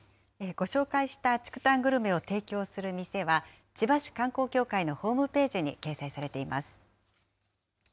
ご紹介した竹炭グルメを提供する店は、千葉市観光協会のホームページに掲載されています。